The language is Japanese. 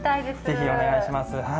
ぜひ、お願いします。